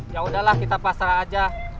ya udahlah kita pasrah aja